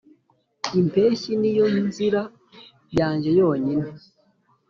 impeshyi niyo nzira yanjye yonyine.